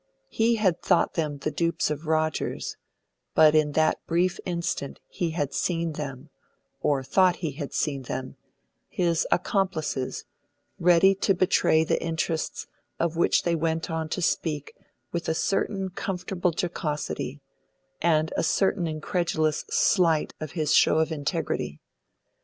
He had thought them the dupes of Rogers; but in that brief instant he had seen them or thought he had seen them his accomplices, ready to betray the interests of which they went on to speak with a certain comfortable jocosity, and a certain incredulous slight of his show of integrity.